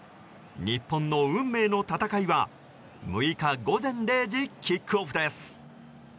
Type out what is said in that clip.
日本の運命の戦いは６日午前０時キックオフです。